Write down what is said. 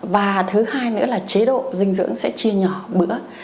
và thứ hai nữa là chế độ dinh dưỡng sẽ chia nhỏ bữa